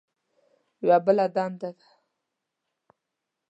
یوه بله دنده ده.